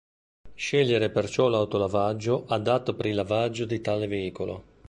Scegliere perciò l'autolavaggio adatto per il lavaggio di tale veicolo.